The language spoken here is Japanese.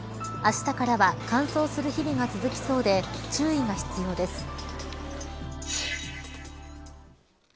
あしたからは乾燥する日々が続きそうで注意が必要です。